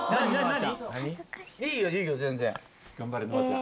何？